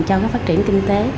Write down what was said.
cho cái phát triển kinh tế